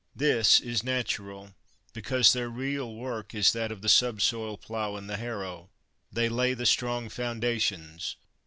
This is natural, because their real work is that of the subsoil plough and the harrow. They lay the strong foundations.